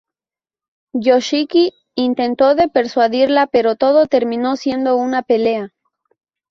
Yoshiki intentó de persuadirla pero todo terminó siendo una pelea.